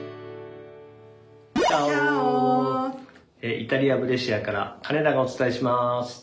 イタリア・ブレーシアから金田がお伝えします。